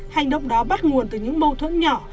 hành động đó bắt nguồn từ những mâu thuẫn nhỏ